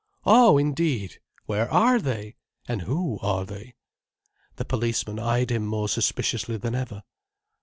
"Oh indeed! Where are they? And who are they?" The policeman eyed him more suspiciously than ever.